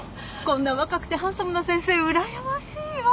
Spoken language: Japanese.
こんな若くてハンサムな先生うらやましいわ。